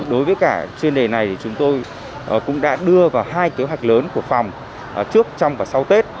đối với cả chuyên đề này chúng tôi cũng đã đưa vào hai kế hoạch lớn của phòng trước trong và sau tết